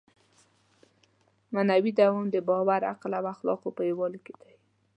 معنوي دوام د باور، عقل او اخلاقو په یووالي کې دی.